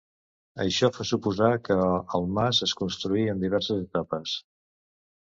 Això fa suposar que el mas es construí en diverses etapes.